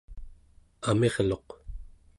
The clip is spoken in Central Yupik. amirluq